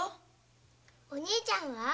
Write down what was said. お兄ちゃんは？